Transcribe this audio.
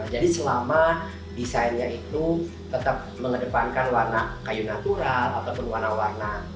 jadi selama desainnya itu tetap mengedepankan warna kayu natural ataupun warna warna